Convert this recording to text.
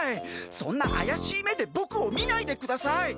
そんなあやしい目でボクを見ないでください。